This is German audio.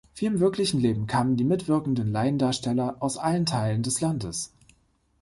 Wie im wirklichen Leben kamen die mitwirkenden Laiendarsteller aus allen Teilen des Landes.